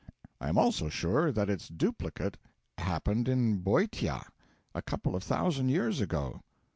I am also sure that its duplicate happened in Boeotia a couple of thousand years ago.